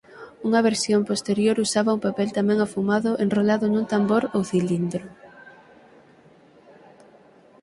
Unha versión posterior usaba un papel tamén afumado enrolado nun tambor ou cilindro.